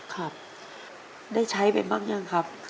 ครับได้ใช้ไปบ้างยังครับ